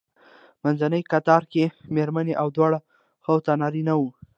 منځنی کتار کې مېرمنې او دواړو خواوو ته نارینه وو.